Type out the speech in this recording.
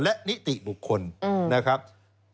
และนิติบุคคลนะครับ